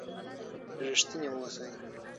رښتیني اوسئ.